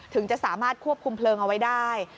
ถึงจะสามารถควบคุมเพลิงเอาไว้ได้